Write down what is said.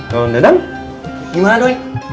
kalo dadang gimana doi